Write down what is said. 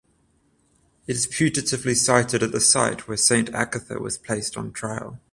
It is putatively sited at the site where Saint Agatha was placed on trial.